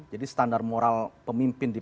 jadi standar moral pemimpin di